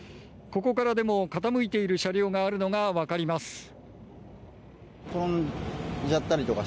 ここからでも傾いている車両があるのがわかります。